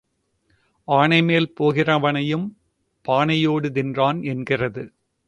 ஆனைமேல் போகிறவனையும் பானையோடு தின்றான் என்கிறது.